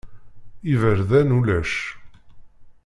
Iberdan ulac.